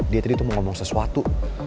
dia tuh tadi mau ngomong seswatu